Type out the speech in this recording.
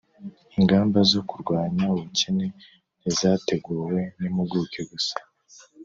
ingamba zo kurwanya ubukene ntizateguwe n'impuguke gusa